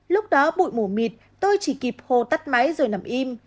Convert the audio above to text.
lúc đó bụi mù mịt tôi chỉ kịp hô tắt máy rồi nằm im